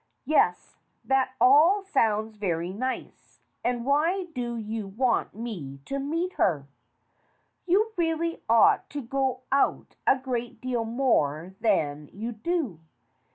"Yes, that all sounds very nice. And why do you want me to meet her?" "You really ought to go out a great deal more than you do.